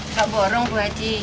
nggak borong bu haji